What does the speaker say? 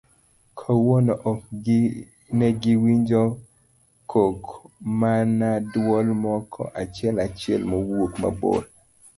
kawuono ok negiwinjo kok mana duol moko achiel achiel mawuok mabor